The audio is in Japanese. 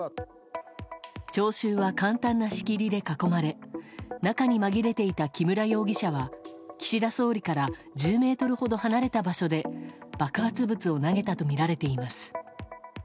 聴衆は簡単な仕切りで囲まれ中に紛れていた木村容疑者は岸田総理から１０ｍほど離れた場所で爆発物を投げたとみられています。